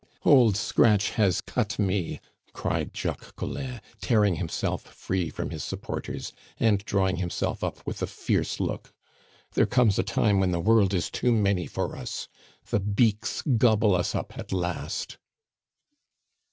"Old Scratch has cut me!" cried Jacques Collin, tearing himself free from his supporters, and drawing himself up with a fierce look. "There comes a time when the world is too many for us! The beaks gobble us up at last."